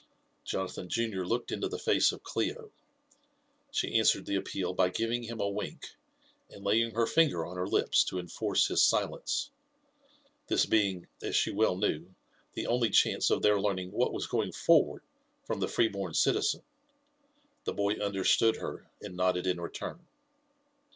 Jonathan junior looked into the face of Clio. She answered the appeal by giving him a wink, and laying her finger on her lips, to enforce his silence ; this being, as she well knew, the only chance of their learning what was going forward from the free born citizen. The boy understood her, and nodded in return.